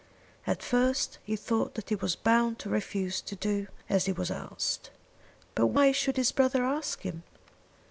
At first he thought that he was bound to refuse to do as he was asked. But why should his brother ask him?